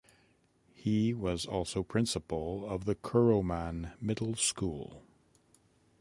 He was also principal of the Kuruman Middle School.